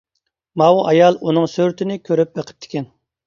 ماۋۇ ئايال ئۇنىڭ سۈرىتىنى كۆرۈپ بېقىپتىكەن.